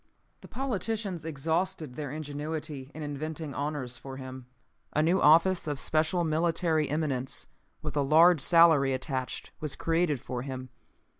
"The politicians exhausted their ingenuity in inventing honors for him. A new office of special military eminence, with a large salary attached, was created for him.